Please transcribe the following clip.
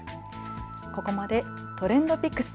ここまでＴｒｅｎｄＰｉｃｋｓ。